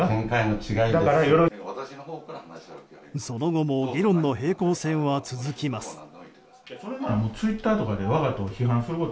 その後も議論の平行線は続きます。